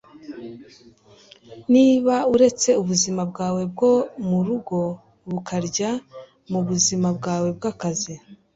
niba uretse ubuzima bwawe bwo mu rugo bukarya mu buzima bwawe bw'akazi